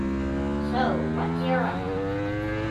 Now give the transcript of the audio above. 'So What Do You Reckon?